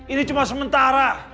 ini cuma sementara